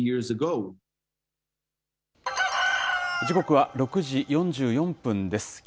時刻は６時４４分です。